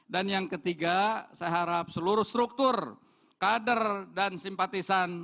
dan yang ketiga saya harap seluruh struktur kader dan simpatisan